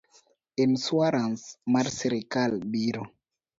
Insuarans mar sirkal biro